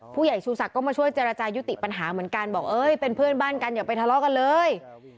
ผู้ใหญ่ชูศักดิ์ก็มาช่วยเจรจายุติปัญหาเหมือนกันบอกเอ้ยเป็นเพื่อนบ้านกันอย่าไปทะเลาะกันเลย